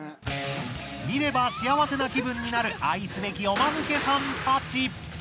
見れば幸せな気分になる愛すべきおマヌケさんたち。